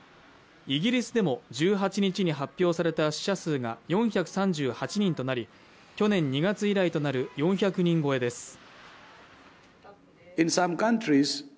イギリスでも１８日に発表された死者数が４３８人となり去年２月以来となる４００人超です